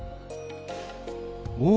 おお！